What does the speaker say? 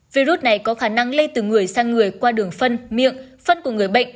virus này có khả năng lây từ người sang người qua đường phân miệng phân của người bệnh